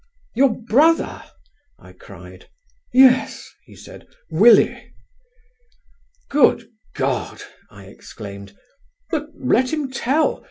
"Your brother?" I cried. "Yes," he said, "Willie." "Good God!" I exclaimed; "but let him tell.